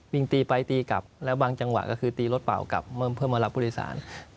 วิ่งตีไปตีกลับแล้วบางจังหวะก็คือตีรถเปล่ากลับเพื่อมารับบุริษัท